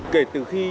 kể từ khi